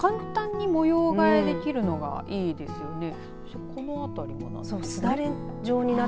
なんか簡単にもよう替えできるのがいいですよね。